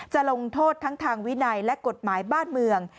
จะลงโทษทั้งทางวินัยและกฎหมายบ้านเมือง